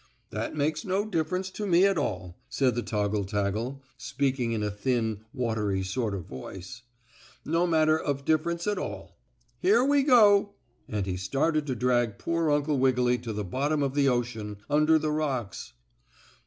"That makes no difference to me at all," said the toggle taggle, speaking in a thin, watery sort of voice, "no matter of difference at all. Here we go!" and he started to drag poor Uncle Wiggily to the bottom of the ocean, under the rocks.